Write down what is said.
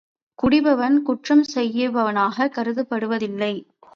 குடிப்பவன் குற்றம் செய்பவனாகக் கருதப்படுவதில்லை.